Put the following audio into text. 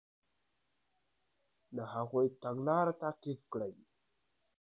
د هغوی تګلارې تعقیب کړئ.